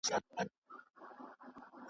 ځئ چي ځو همدا مو وار دی وخت د کار دی روانیږو .